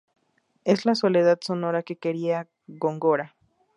Es la soledad sonora que quería Góngora.